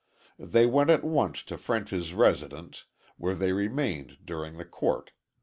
They went at once to French's residence, where they remained during the court.